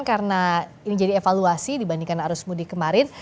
karena ini jadi evaluasi dibandingkan arus mudik kemarin